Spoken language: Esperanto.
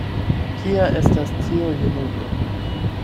Kia estas tiu junulo?